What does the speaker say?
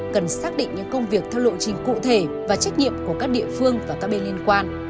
cần xác định những công việc theo lộ trình cụ thể và trách nhiệm của các địa phương và các bên liên quan